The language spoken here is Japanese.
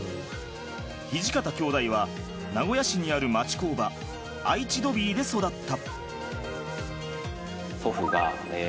土方兄弟は名古屋市にある町工場愛知ドビーで育った。